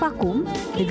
the groove akan menunggu